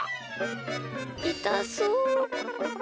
いたそう。